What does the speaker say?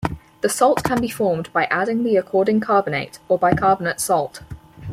The salt can be formed by adding the according carbonate, or bicarbonate salt.